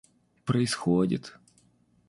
происходит